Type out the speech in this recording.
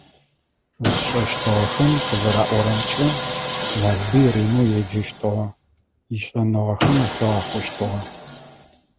Зышӏэщтыгъэхэм къызэраӏорэмкӏэ Налбый ренэу еджэщтыгъэ, ишӏэныгъэхэм ахигъахъощтыгъэ.